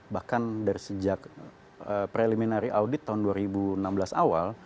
bahkan dari sejak preliminary audit tahun dua ribu enam belas awal